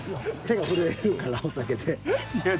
手が震えるからお酒で。